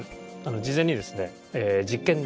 事前にですね実験台。